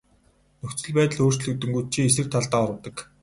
Нөхцөл байдал өөрчлөгдөнгүүт чи эсрэг талдаа урвадаг.